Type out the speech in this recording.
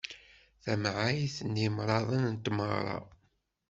Tamɛayt n imeɛraḍen n tmeɣra.